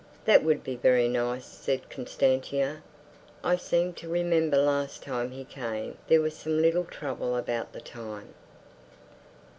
"That would be very nice," said Constantia. "I seem to remember last time he came there was some little trouble about the time."